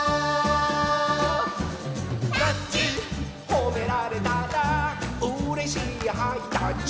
「ほめられたらうれしいハイタッチ」